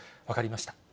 分かりました。